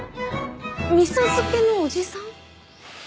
味噌漬けのおじさん？